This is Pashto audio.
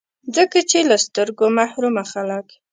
ځکه چي له سترګو محرومه خلګ